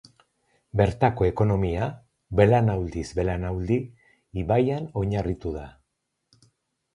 Bertako ekonomia, belaunaldiz belaunaldi, ibaian oinarritu da.